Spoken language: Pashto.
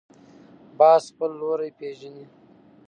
باز خپل لوری پېژني